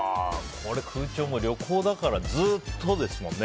空調も旅行だからずっとですもんね。